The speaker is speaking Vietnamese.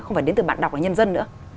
không phải đến từ bạn đọc và nhân dân nữa